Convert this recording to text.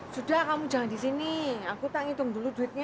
sudah kamu jangan di sini aku tak ngitung dulu duitnya